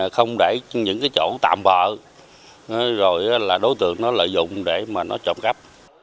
không để những cái chỗ tạm bỡ rồi là đối tượng nó lợi dụng để mà nó trộm cắp